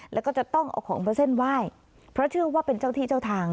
แล้วก็จะต้องเอาของมาเส้นไหว้เพราะเชื่อว่าเป็นเจ้าที่เจ้าทาง